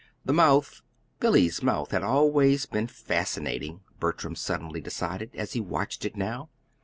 The mouth Billy's mouth had always been fascinating, Bertram suddenly decided, as he watched it now.